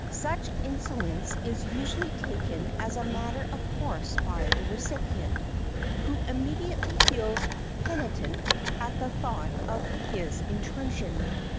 Such insolence is usually taken as a matter of course by the recipient, who immediately feels penitent at the thought of his intrusion.